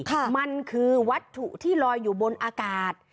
ค่ะมันคือวัตถุที่ลอยอยู่บนอากาศ